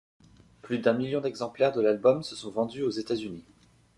Plus d'un million d'exemplaires de l'album se sont vendus aux États-Unis.